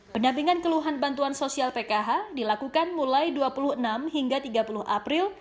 pendampingan keluhan bantuan sosial pkh dilakukan mulai dua puluh enam hingga tiga puluh april